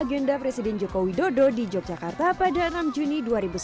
agenda presiden joko widodo di yogyakarta pada enam juni dua ribu sembilan belas